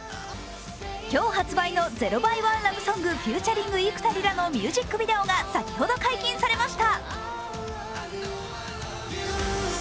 今日発売の「０Ｘ１＝ＬＯＶＥＳＯＮＧｆｅａｔ．幾田りら」のミュージックビデオが先ほど解禁されました。